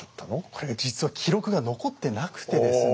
これが実は記録が残ってなくてですね。